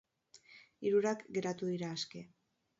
Hirurak geratu dira aske.